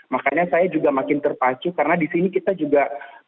makanya saya juga makin terpacu karena di sini kita juga